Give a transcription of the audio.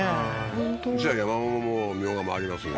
本当うちは山桃もミョウガもありますね